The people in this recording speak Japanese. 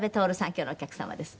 今日のお客様です。